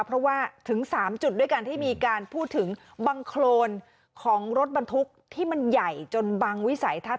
เพราะว่าถึง๓จุดด้วยกันที่มีการพูดถึงบังโครนของรถบรรทุกที่มันใหญ่จนบังวิสัยทัศน